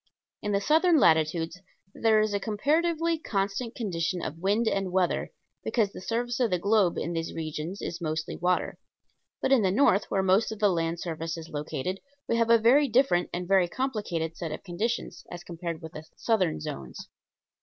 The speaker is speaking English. In the southern latitudes there is a comparatively constant condition of wind and weather, because the surface of the globe in these regions is mostly water; but in the north, where most of the land surface is located, we have a very different and a very complicated set of conditions, as compared with the southern zones.